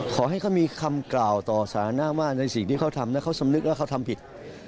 ขอให้เขามีคำกล่าวต่อสารนะมากในศิริทธิ์ที่เขาทำนะเขาสำนึกแล้วเขาทำผิด